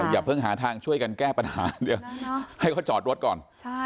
อย่าเพิ่งหาทางช่วยกันแก้ปัญหาเดี๋ยวให้เขาจอดรถก่อน